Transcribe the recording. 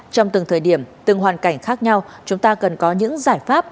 trong từng thời điểm từng hoàn cảnh khác nhau chúng ta cần có những giải pháp